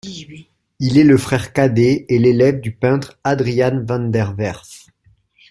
Il est le frère cadet et l'élève du peintre Adriaen van der Werff.